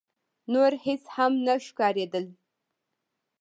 نور هيڅ هم نه ښکارېدل.